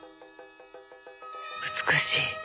美しい。